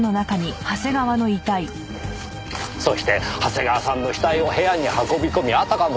そして長谷川さんの死体を部屋に運び込みあたかも